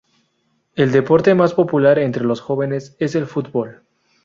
El deporte más popular entre los jóvenes es el fútbol.